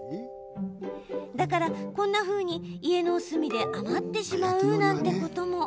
だから、こんなふうに家の隅で余ってしまうなんてことも。